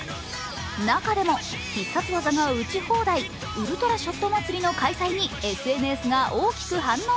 中でも必殺技が撃ち放題ウルトラショット祭りの開催にＳＮＳが大きく反応。